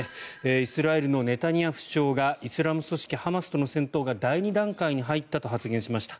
イスラエルのネタニヤフ首相がイスラム組織ハマスとの戦闘が第２段階に入ったと発言しました。